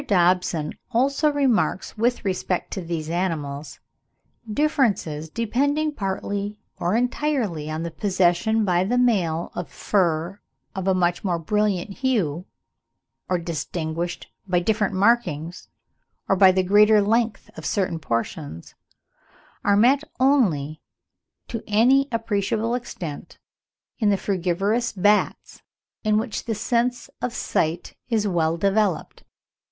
Dobson also remarks, with respect to these animals: "Differences, depending partly or entirely on the possession by the male of fur of a much more brilliant hue, or distinguished by different markings or by the greater length of certain portions, are met only, to any appreciable extent, in the frugivorous bats in which the sense of sight is well developed."